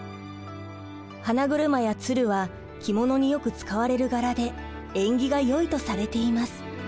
花車や鶴は着物によく使われる柄で縁起がよいとされています。